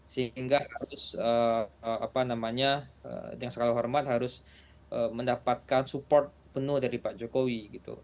sehingga harus apa namanya dengan segala hormat harus mendapatkan support penuh dari pak jokowi gitu